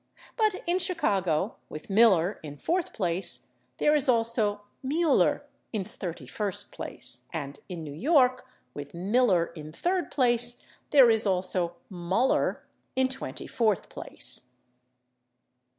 But in Chicago, with /Miller/ in fourth place, there is also /Mueller/ in thirty first place, and in New York, with /Miller/ in third place, there is also /Muller/ in twenty fourth place.